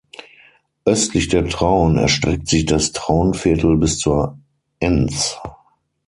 Östlich der Traun erstreckt sich das Traunviertel bis zur Enns.